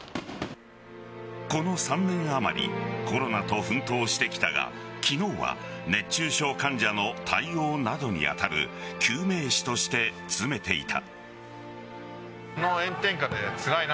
この３年あまりコロナと奮闘してきたが昨日は熱中症患者の対応などに当たる救命士として詰めていた。